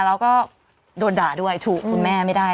แล้วก็โดนด่าด้วยถูกคุณแม่ไม่ได้